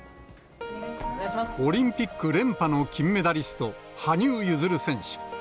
オリンピック連覇の金メダリスト、羽生結弦選手。